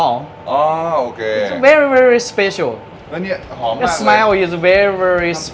นี่มีอ่อนเต็มเพ้อ